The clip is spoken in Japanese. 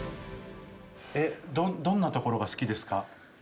どんなところが好きですか？